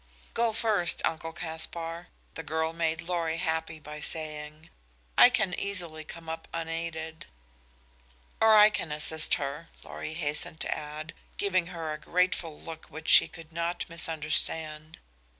"Go first, Uncle Caspar," the girl made Lorry happy by saying. "I can easily come up unaided." "Or I can assist her," Lorry hastened to add, giving her a grateful look which she could not misunderstand.